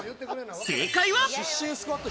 正解は？